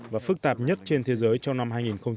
và phức tạp nhất trên thế giới trong năm hai nghìn một mươi sáu